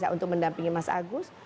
untuk mendampingi mas agus